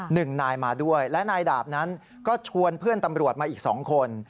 หนึ่งนายมาด้วยและนายดาบนั้นก็ชวนเพื่อนตำรวจมาอีกสองคน